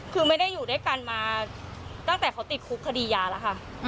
คือไม่ได้อยู่ด้วยกันมาตั้งแต่เขาติดคุกคดียาแล้วค่ะ